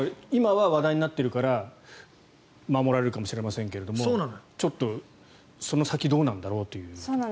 今は話題になっているから守られるかもしれないけどちょっとその先どうなんだろうという。